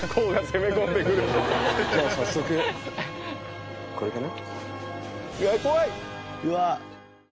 じゃあ早速これかな？